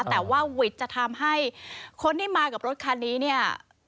แต่ว่าวิทย์จะทำให้คนที่มากับรถคันนี้เนี่ย